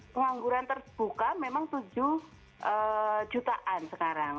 pengangguran terbuka memang tujuh jutaan sekarang